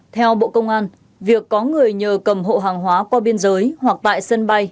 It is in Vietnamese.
theo bộ công an việc có người nhờ cầm hộ hàng hóa qua biên giới hoặc tại sân bay